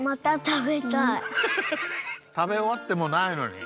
たべおわってもないのに？